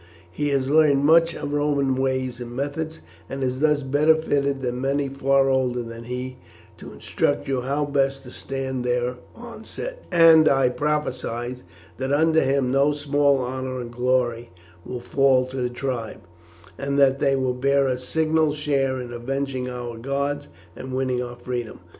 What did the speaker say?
He has learned much of Roman ways and methods, and is thus better fitted than many far older than he to instruct you how best to stand their onset, and I prophesy that under him no small honour and glory will fall to the tribe, and that they will bear a signal share in avenging our gods and winning our freedom.